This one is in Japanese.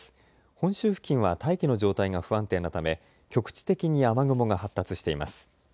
本州付近は大気の状態が不安定なため局地的に雨雲が発達しています。